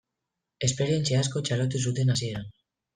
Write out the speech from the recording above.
Esperientzia asko txalotu zuten hasieran.